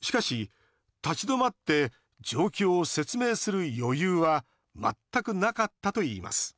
しかし、立ち止まって状況を説明する余裕は全くなかったといいます